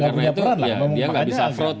karena itu dia nggak bisa afrot